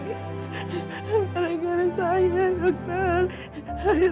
gara gara saya dokter